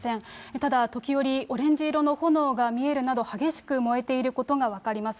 ただ、時折、オレンジ色の炎が見えるなど、激しく燃えていることが分かります。